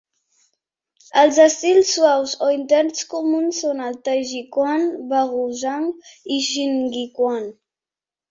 Els estils "suaus" o interns comuns són el Taijiquan, Baguazhang i Xingyiquan.